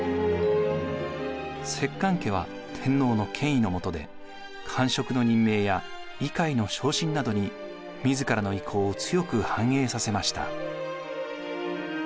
摂関家は天皇の権威の下で官職の任命や位階の昇進などに自らの意向を強く反映させました。